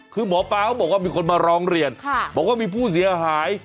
คือหมอปลาเขาบอกว่ามีคนมาร้องเรียนบอกว่ามีผู้เสียหาย